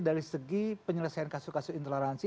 dari segi penyelesaian kasus kasus intoleransi